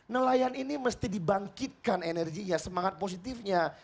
nelayan ini mesti dibangkitkan energinya semangat positifnya